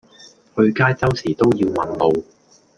去街周時都要問路